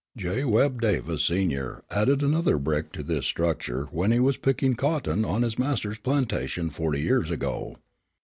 J. Webb Davis, senior, added another brick to this structure, when he was picking cotton on his master's plantation forty years ago."